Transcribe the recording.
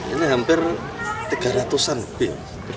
ini hampir tiga ratus an bil